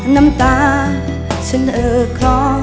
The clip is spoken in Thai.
น้ำตาฉันเออคลอ